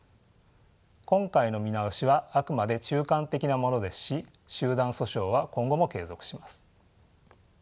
今回の見直しはあくまで中間的なものですし集団訴訟は今後も継続します。